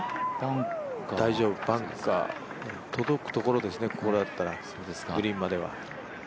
大丈夫、バンカー届くところですね、ここだったらグリーンまでは。